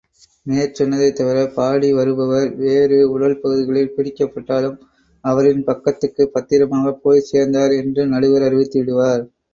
மேற்சொன்னதைத்தவிர, பாடி வருபவர் வேறு உடல்பகுதிகளில் பிடிக்கப்பட்டாலும், அவரின் பக்கத்துக்குப் பத்திரமாகப் போய் சேர்ந்தார் என்று நடுவர் அறிவித்துவிடுவார்.